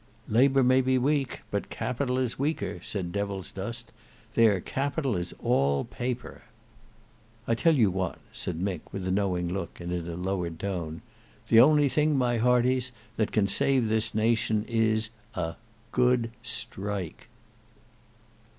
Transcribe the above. "Labour may be weak, but Capital is weaker," said Devilsdust. "Their capital is all paper." "I tell you what," said Mick, with a knowing look, and in a lowered tone, "The only thing, my hearties, that can save this here nation, is—a—good strike."